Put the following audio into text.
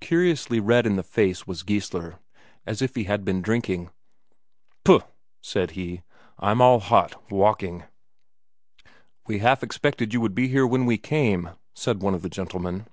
Curiously red in the face was Geissler, as if he had been drinking. "Puh!" said he. "I'm all hot, walking." "We half expected you would be here when we came," said one of the gentlemen.